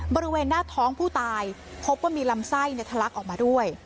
บริเวณหน้าท้องผู้ตายพบว่ามีลำไส้ทะลักออกมาด้วย